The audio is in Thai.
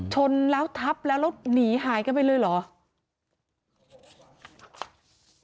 ชนแล้วทับรถหนีหายกันไปเลยหรือ